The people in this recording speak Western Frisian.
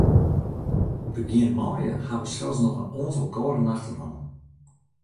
Begjin maaie ha wy sels noch in oantal kâlde nachten hân.